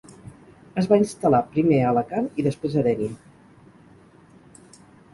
Es va instal·lar primer a Alacant i després a Dénia.